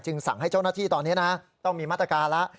สั่งให้เจ้าหน้าที่ตอนนี้นะต้องมีมาตรการแล้ว